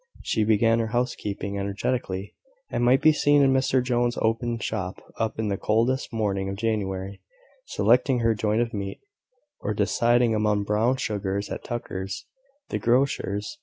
She began her housekeeping energetically, and might be seen in Mr Jones's open shop in the coldest morning of January, selecting her joint of meat; or deciding among brown sugars at Tucker's, the grocer's.